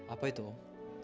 apa itu om